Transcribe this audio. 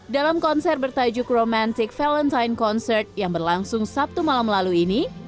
dalam konser bertajuk romantic valentine concert yang berlangsung sabtu malam lalu ini